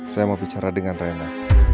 saya mau bicara dengan rena